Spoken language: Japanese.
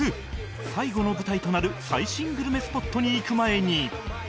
最後の舞台となる最新グルメスポットに行く前に